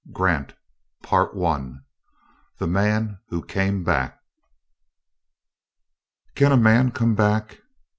GRANT THE MAN WHO "CAME BACK" "Can a man 'come back'?"